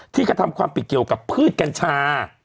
กระทำความผิดเกี่ยวกับพืชกัญชา